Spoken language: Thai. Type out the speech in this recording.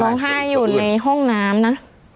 ร้องไห้อยู่ในห้องน้ำนะ